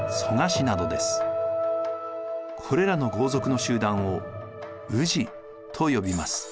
これらの豪族の集団を氏と呼びます。